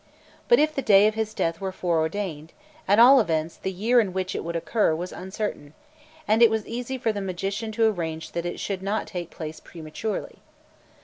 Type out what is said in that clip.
But if the day of his death were foreordained, at all events the year in which it would occur was uncertain, and it was easy for the magician to arrange that it should not take place prematurely.